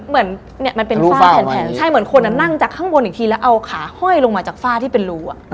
เหมือนเนี่ยมันเป็นฝ้าแผนใช่เหมือนคนนั่งจากข้างบนอีกทีแล้วเอาขาห้อยลงมาจากฝ้าที่เป็นรูอ่ะ